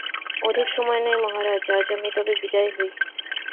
অধিক সময় নাই মহারাজ, আজ আমি তবে বিদায় হই।